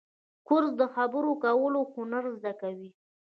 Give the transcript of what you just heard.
کورس د خبرو کولو هنر زده کوي.